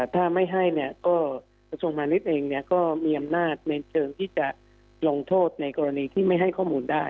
ถ้าไม่ให้เนี่ยก็กระทรวงพาณิชย์เองก็มีอำนาจในเชิงที่จะลงโทษในกรณีที่ไม่ให้ข้อมูลได้